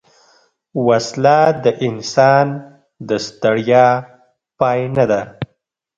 وسله د انسان د ستړیا پای نه ده